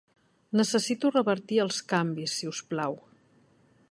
Necessito revertir els canvis, si us plau